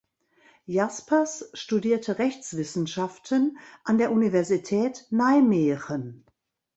Jaspers studierte Rechtswissenschaften an der Universität Nijmegen.